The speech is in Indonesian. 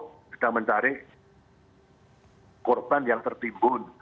kita sedang mencari korban yang tertimbun